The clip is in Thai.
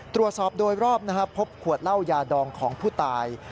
ตรวจสอบโดยรอบพบขวดเหล้ายาดองของผู้ตาย